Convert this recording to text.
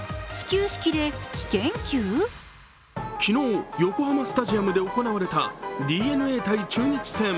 昨日、横浜スタジアムで行われたＤｅＮＡ×中日。